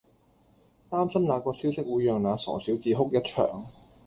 擔心那個消息會讓那傻小子哭一場